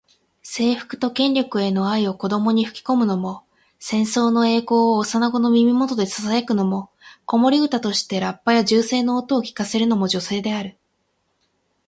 征服と権力への愛を子どもに吹き込むのも、戦争の栄光を幼子の耳元でささやくのも、子守唄としてラッパや銃声の音を聞かせるのも女性である。